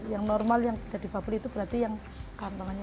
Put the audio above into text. yang normal yang tidak disabilitas itu berarti yang kantongannya